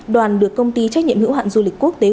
đoàn được công ty trách nhiệm hữu hạn du lịch quốc tế